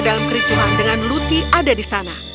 dalam kericuhan dengan luti ada di sana